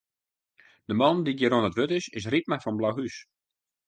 De man dy't hjir oan it wurd is, is Rypma fan Blauhûs.